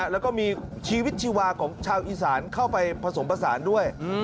แล้วก็มีชีวิตชีวาของชาวอีสานเข้าไปผสมผสานด้วย